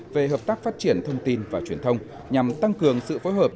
về hợp tác phát triển thông tin và truyền thông nhằm tăng cường sự phối hợp